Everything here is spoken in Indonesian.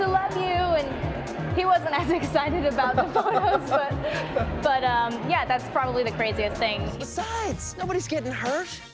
apakah kamu memiliki penyelidikan atau penyelidikan yang istimewa